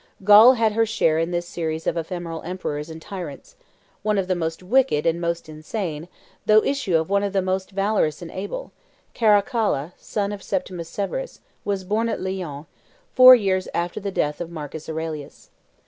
Gaul had her share in this series of ephemeral emperors and tyrants; one of the most wicked and most insane, though issue of one of the most valorous and able, Caracalla, son of Septimius Severus, was born at Lyons, four years after the death of Marcus Aurelius.